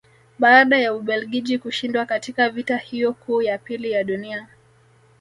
Baada ya Ubelgiji kushindwa katika vita hiyo kuu ya pili ya Dunia